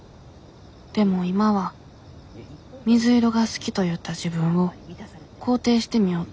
でも今は水色が好きと言った自分を肯定してみようと思う。